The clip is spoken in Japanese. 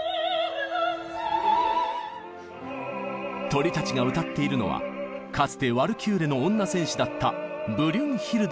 鳥たちが歌っているのはかつてワルキューレの女戦士だったブリュンヒルデのこと。